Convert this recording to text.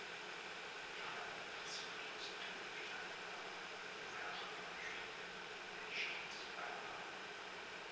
Car la première cible de Tito Vilanova, nouvel entraîneur culé, est Jordi Alba.